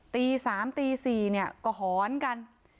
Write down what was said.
ตี๓ตี๔ก็หอนกัน